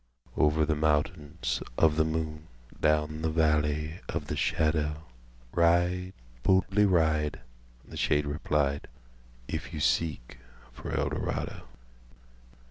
""Over the mountainsOf the Moon, Down the Valley of the Shadow, Ride, boldly ride,"The shade replied "If you seek for Eldorado!"